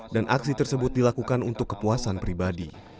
dan aksi tersebut dilakukan untuk kepuasan pribadi